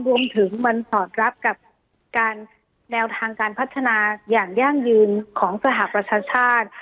รวมถึงมันสอดรับกับการแนวทางการพัฒนาอย่างยั่งยืนของสหประชาชาติ